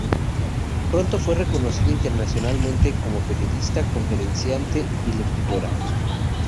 Pronto fue reconocida internacionalmente como periodista, conferenciante y locutora.